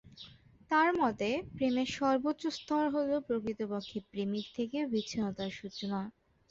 তাঁর মতে, প্রেমের সর্বোচ্চ স্তর হ'ল প্রকৃতপক্ষে প্রেমিক থেকে বিচ্ছিন্নতার সূচনা।